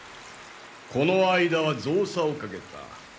この間は造作をかけた。